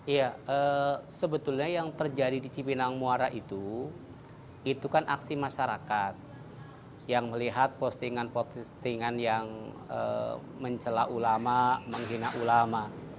ya sebetulnya yang terjadi di cipinang muara itu itu kan aksi masyarakat yang melihat postingan postingan yang mencela ulama menghina ulama